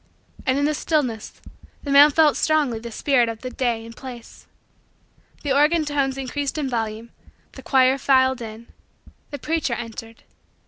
And, in the stillness, the man felt strongly the spirit of the day and place. The organ tones increased in volume. The choir filed in. The preacher entered.